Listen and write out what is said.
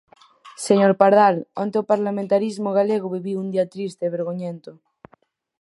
Señor Pardal, onte o parlamentarismo galego viviu un día triste e vergoñento.